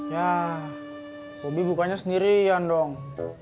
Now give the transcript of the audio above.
ya hobi bukanya sendirian dong